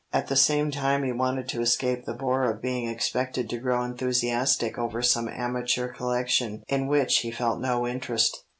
At the same time he wanted to escape the bore of being expected to grow enthusiastic over some amateur collection in which he felt no interest.